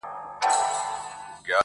یو څه خړه یو څه توره نوره سپینه -